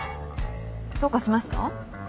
どうかしました？